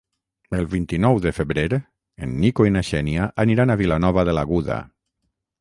El vint-i-nou de febrer en Nico i na Xènia aniran a Vilanova de l'Aguda.